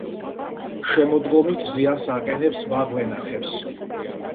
შემოდგომით ზიანს აყენებს ბაღ-ვენახებს.